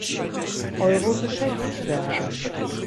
Euro geschätzt werden.